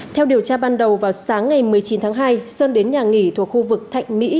theo điều tra ban đầu vào sáng ngày một mươi chín tháng hai sơn đến nhà nghỉ thuộc khu vực thạnh mỹ